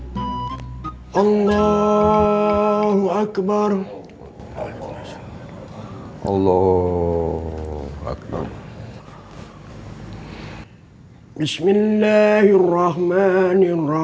palingan hanya hari minggu aja